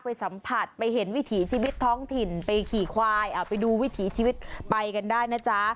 ไปสัมผัสไปเห็นวิถีชีวิตท้องถิ่นไปขี่ควายเอาไปดูวิถีชีวิตไปกันได้นะจ๊ะ